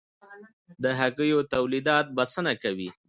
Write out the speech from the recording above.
د هګیو تولیدات بسنه کوي؟